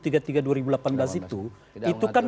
dua ribu delapan belas itu itu kan